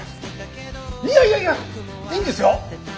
いやいやいやいいんですよ。